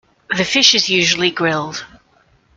The fish is usually grilled.